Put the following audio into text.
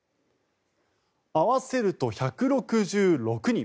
合わせると１６６人。